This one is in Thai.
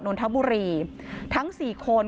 นนทบุรีทั้ง๔คน